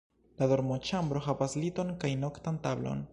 La dormoĉambro havas liton kaj noktan tablon.